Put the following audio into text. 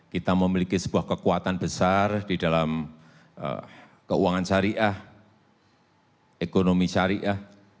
kita memiliki sebuah kekuatan besar di dalam keuangan syariah ekonomi syariah